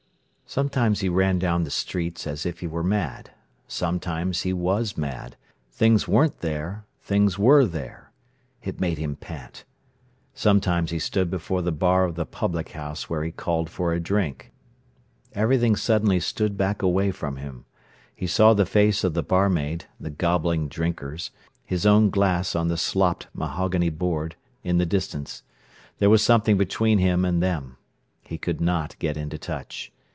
Sometimes he ran down the streets as if he were mad: sometimes he was mad; things weren't there, things were there. It made him pant. Sometimes he stood before the bar of the public house where he called for a drink. Everything suddenly stood back away from him. He saw the face of the barmaid, the gobbling drinkers, his own glass on the slopped, mahogany board, in the distance. There was something between him and them. He could not get into touch.